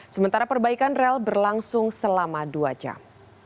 sementara perbaikan rel berlangsung selama dua jam